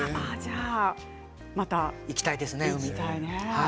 また行きたいですね。